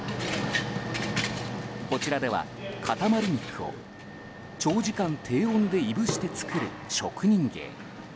こちらでは塊肉を長時間低温でいぶして作る職人芸。